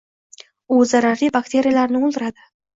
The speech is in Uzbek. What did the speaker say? U zararli bakteriyalarni oʻldiradi